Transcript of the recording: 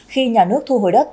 khi nhà nước thu hồi đất